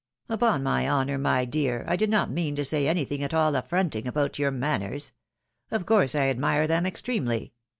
." Upon my honour, my dear, I did not mean to say anything at all affronting about your manners. Of course I admire them extremely!"